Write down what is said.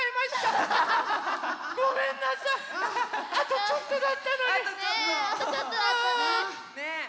ねえあとちょっとだったね。